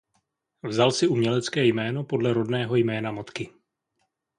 Vzal si umělecké jméno podle rodného jména matky.